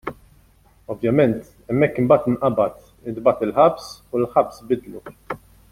Ovvjament hemmhekk imbagħad inqabad, intbagħat il-ħabs u l-ħabs biddlu.